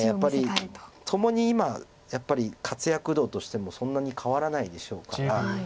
ともに今やっぱり活躍度としてもそんなに変わらないでしょうから。